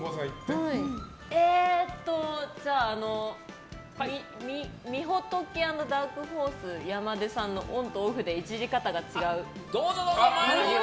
じゃあ、みほとけ＆ダークホース山出さんのオンとオフでイジり方が違う有吉さん。